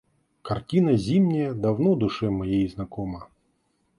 Картина зимняя давно душе моей знакома.